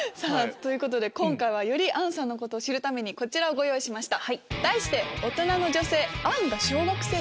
さぁ今回はより杏さんのことを知るためにこちらをご用意しました。